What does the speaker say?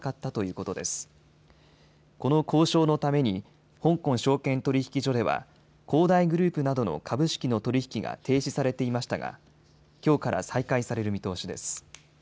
この交渉のために香港証券取引所では恒大グループなどの株式の取り引きが停止されていましたがきょうから再開される見通しです。